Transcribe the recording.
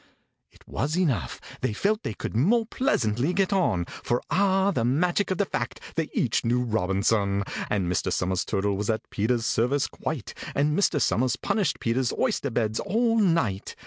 It was enough: they felt they could more pleasantly get on, For (ah, the magic of the fact!) they each knew ROBINSON! And Mr. SOMERS' turtle was at PETER'S service quite, And Mr. SOMERS punished PETER'S oyster beds all night.